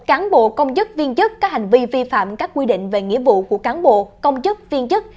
cán bộ công chức viên chức có hành vi vi phạm các quy định về nghĩa vụ của cán bộ công chức viên chức